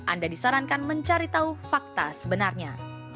anda disarankan mencari tahu fakta sebenarnya